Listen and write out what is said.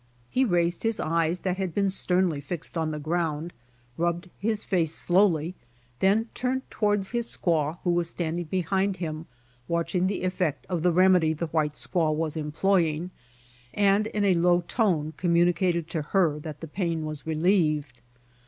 He raised his eyes that had been sternly fixed on the ground, rubbed his face slowly, then turned towards his squaw who was standing behind him watching the effect of the remedy the white squaw was employing, and in a. low tone communicated to her that the pain was relieved.